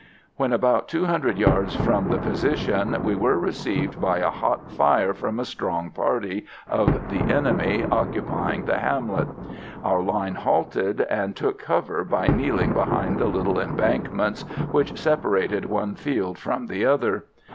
When about 200 yards from the position, we were received by a hot fire from a strong party of the enemy occupying the hamlet. Our line halted, and took cover by kneeling behind the little embankments which separated one field from the other.